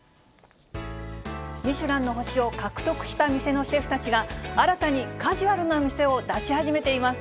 ミシュランの星を獲得した店のシェフたちが、新たにカジュアルな店を出し始めています。